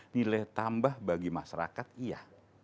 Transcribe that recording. nilai tambah bagi masyarakat iya